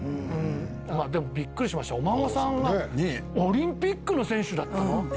でもびっくりしました、お孫さんが、オリンピックの選手だったの？